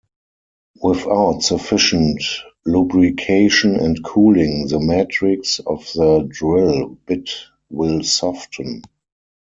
Without sufficient lubrication and cooling, the matrix of the drill bit will soften.